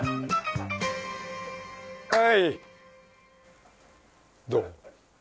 はい！